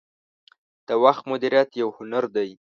• د وخت مدیریت یو هنر دی.